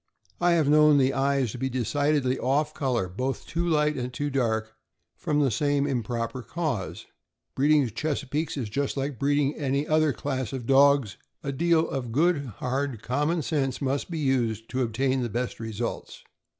I have known the eyes to be decidedly off color, both too light and too dark, from the same improper cause. Breeding Chesa peakes is just like breeding any other class of dogs, a deal of good, hard common sense must be used to obtain the best results.